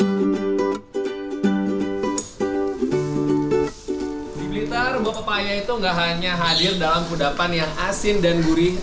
di blitar buah papaya itu nggak hanya hadir dalam kudapan yang asin dan gurih